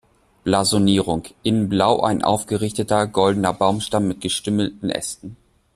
Blasonierung: "In Blau ein aufgerichteter goldener Baumstamm mit gestümmelten Ästen.